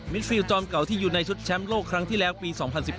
ฟิลจอมเก่าที่อยู่ในชุดแชมป์โลกครั้งที่แล้วปี๒๐๑๙